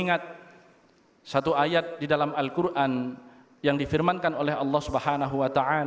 assalamualaikum warahmatullahi wabarakatuh